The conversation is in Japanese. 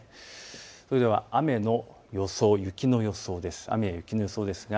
それでは雨の予想、雪の予想です。